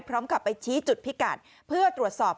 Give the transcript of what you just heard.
พร้อมกับไปชี้จุดพิกัดเพื่อตรวจสอบ